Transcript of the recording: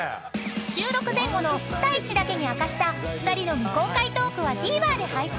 ［収録前後の太一だけに明かした２人の未公開トークはＴＶｅｒで配信。